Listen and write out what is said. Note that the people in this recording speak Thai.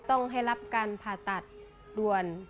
ต้องให้รับการผ่าตัดด่วน